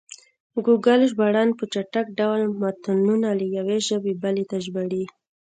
ګوګل ژباړن په چټک ډول متنونه له یوې ژبې بلې ته ژباړي.